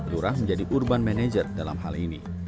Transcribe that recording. lurah menjadi urban manager dalam hal ini